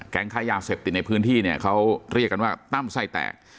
ค้ายาเสพติดในพื้นที่เนี่ยเขาเรียกกันว่าตั้มไส้แตก